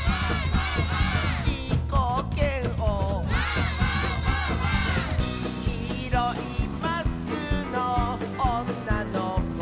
「じーこーけんお」「きいろいマスクのおんなのこ」